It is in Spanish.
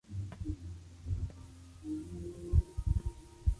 Las hembras dominan a los machos y los segregan durante la temporada de apareamiento.